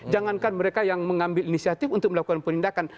jangankan mereka yang mengambil inisiatif untuk melakukan penindakan